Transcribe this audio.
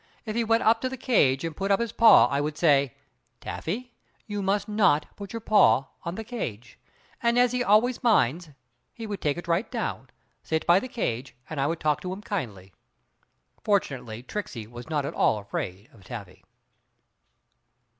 If he went up to the cage and put up his paw I would say "Taffy, you must not put your paw on the cage," and as he always minds he would take it right down, sit by the cage, and I would talk to him kindly. Fortunately Tricksey was not at all afraid of Taffy.